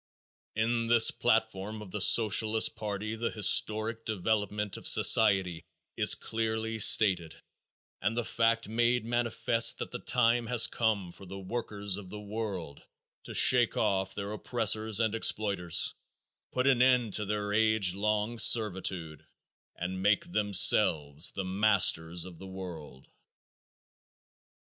In this platform of the Socialist party the historic development of society is clearly stated and the fact made manifest that the time has come for the workers of the world to shake off their oppressors and exploiters, put an end to their age long servitude, and make themselves the masters of the world.